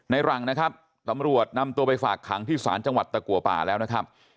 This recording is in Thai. หลังนะครับตำรวจนำตัวไปฝากขังที่ศาลจังหวัดตะกัวป่าแล้วนะครับ